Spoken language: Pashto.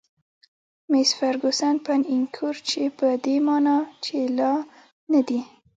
میس فرګوسن: 'pan encore' چې په دې مانا چې لا نه دي.